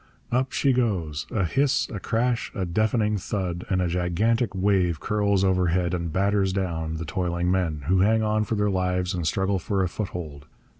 Up she goes! A hiss, a crash, a deafening thud, and a gigantic wave curls overhead and batters down the toiling men, who hang on for their lives and struggle for a foothold.